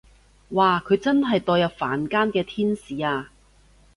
哇佢真係墮入凡間嘅天使啊